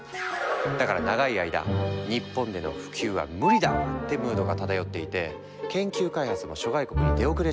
だから長い間日本での普及は無理だわってムードが漂っていて研究開発も諸外国に出遅れちゃってたんだ。